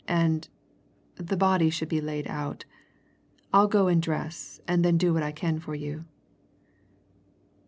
And the body should be laid out. I'll go and dress, and then do what I can for you."